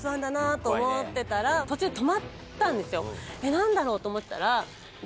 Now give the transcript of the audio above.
何だろう？と思ったら。